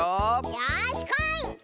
よしこい！